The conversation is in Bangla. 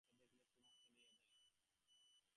পাছে সুরমাকে দেখিলে সুরমা চলিয়া যায়।